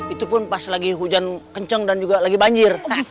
itu pun pas lagi hujan kencang dan juga lagi banjir